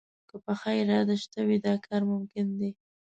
که پخه اراده شته وي، دا کار ممکن دی